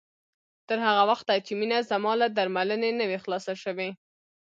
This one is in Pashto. تر هغه وخته چې مينه زما له درملنې نه وي خلاصه شوې